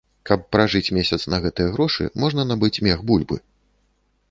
Каб пражыць месяц на гэтыя грошы, можна набыць мех бульбы!